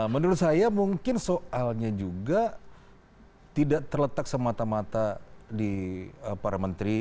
menurut saya mungkin soalnya juga tidak terletak semata mata di para menteri